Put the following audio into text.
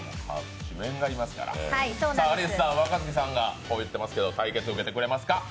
アリスさん、若槻さんがこう言っていますけど、対決を受けていただけますか？